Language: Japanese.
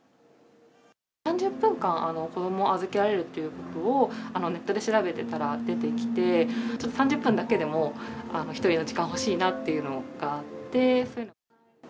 ３０分間、子どもを預けられるということを、ネットで調べてたら出てきて、ちょっと３０分だけでも、１人の時間欲しいなっていうのがあって。